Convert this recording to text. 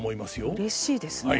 うれしいですね。